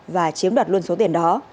và chiếm đặt luôn số tiền đó